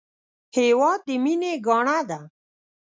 هېواد د مینې ګاڼه ده